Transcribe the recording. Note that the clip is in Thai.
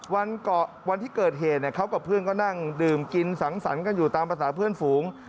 วันที่เกิดเหตุเขากับเพื่อนก็นั่งดื่มกินสังสรรค์กันอยู่ตามภาษาเพื่อนฝูง